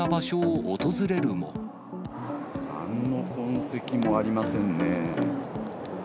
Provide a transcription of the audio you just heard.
なんの痕跡もありませんね。